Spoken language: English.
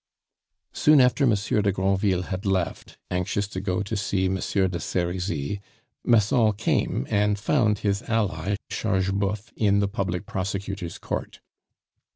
Soon after Monsieur de Granville had left, anxious to go to see Monsieur de Serizy, Massol came and found his ally Chargeboeuf in the public prosecutor's Court.